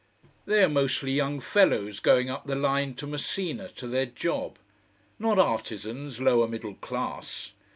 They are mostly young fellows going up the line to Messina to their job: not artizans, lower middle class.